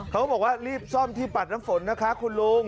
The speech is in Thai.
เขาบอกว่ารีบซ่อมที่ปัดน้ำฝนนะคะคุณลุง